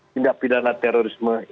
tindak pidana terorisme